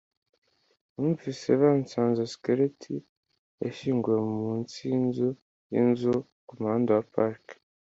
Numvise basanze skeleti yashyinguwe munsi yinzu yinzu kumuhanda wa Park